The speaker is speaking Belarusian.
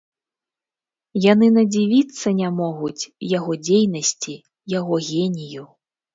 Яны надзівіцца не могуць яго дзейнасці, яго генію.